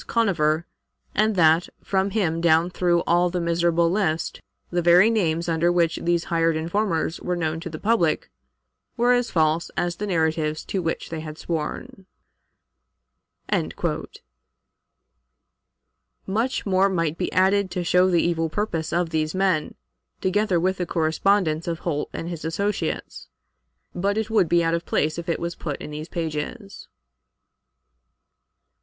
Conover; and that, from him down through all the miserable list, the very names under which these hired informers were known to the public were as false as the narratives to which they had sworn." Much more might be added to show the evil purpose of these men, together with the correspondence of Holt and his associates, but it would be out of place if it was put in these pages.